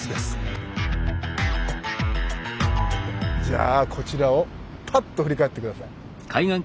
じゃあこちらをパッと振り返って下さい。